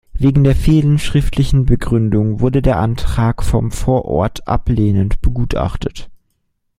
Wegen der fehlenden schriftlichen Begründung wurde der Antrag vom Vorort ablehnend begutachtet.